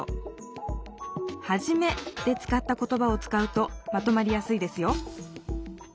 「はじめ」で使った言ばを使うとまとまりやすいですよ